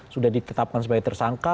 sudah ditetapkan sebagai tersangka